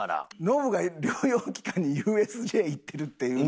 ノブが療養期間にＵＳＪ行ってるっていう。